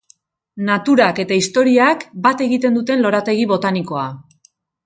Naturak eta historiak bat egiten duten lorategi botanikoa.